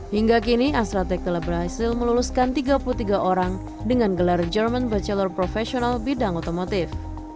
hingga kini astra tech telah berhasil meluluskan tiga puluh tiga orang dengan gelar german becheller profesional bidang otomotif